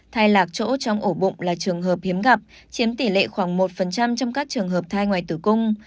thay lạc chỗ trong ổ bụng là trường hợp hiếm gặp chiếm tỷ lệ khoảng một trong các trường hợp thai ngoài tử cung